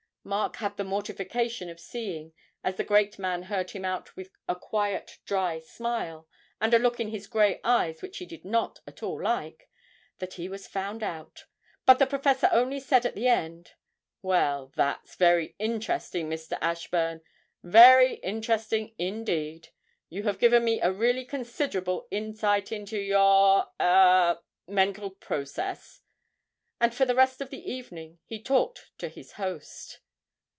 Mark had the mortification of seeing, as the great man heard him out with a quiet dry smile, and a look in his grey eyes which he did not at all like, that he was found out. But the professor only said at the end, 'Well, that's very interesting, Mr. Ashburn, very interesting indeed you have given me a really considerable insight into your ah mental process.' And for the rest of the evening he talked to his host.